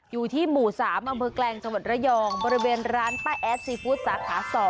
อยู่ที่หมู่สามอเมืองแกลงสวรรค์ระยองบริเวณร้านป้ายแอ๊ดซีฟู้ดสาขา๒